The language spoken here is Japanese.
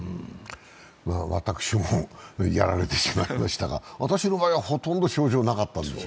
私もやられてしまいましたが私の場合はほとんど症状なかったんです。